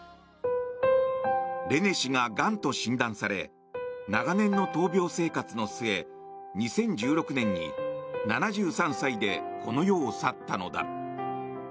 レネ氏ががんと診断され長年の闘病生活の末２０１６年に７３歳でこの世を去ったのだ。